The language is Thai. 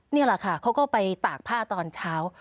นี่แหละค่ะเขาก็ไปตากผ้าตอนเช้า